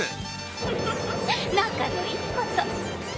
フフフ仲のいいこと。